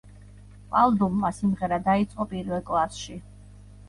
პალდუმმა სიმღერა დაიწყო პირველ კლასში.